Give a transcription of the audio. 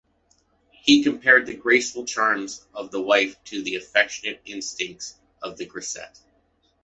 He compared the graceful charms of the wife to the affectionate instincts of the grisette.